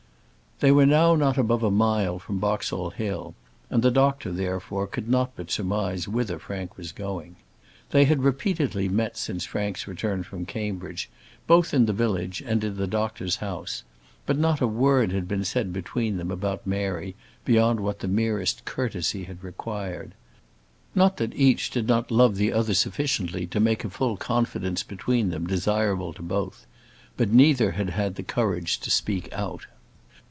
They were now not above a mile from Boxall Hill, and the doctor, therefore, could not but surmise whither Frank was going. They had repeatedly met since Frank's return from Cambridge, both in the village and in the doctor's house; but not a word had been said between them about Mary beyond what the merest courtesy had required. Not that each did not love the other sufficiently to make a full confidence between them desirable to both; but neither had had the courage to speak out.